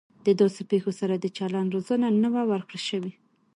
د داسې پیښو سره د چلند روزنه نه وه ورکړل شوې